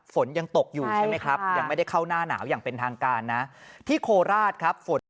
ฝนยังตกอยู่ใช่ไหมครับยังไม่ได้เข้าหน้าหนาวอย่างเป็นทางการนะที่โคราชครับฝน